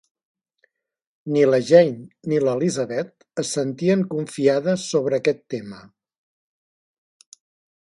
Ni la Jane ni l'Elizabeth es sentien confiades sobre aquest tema.